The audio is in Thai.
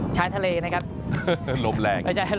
ชายทะเลนะครับ